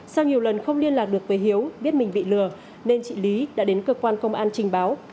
sau nhiều lần không liên lạc được với hiếu biết mình bị lừa nên chị lý đã đến cơ quan công an trình báo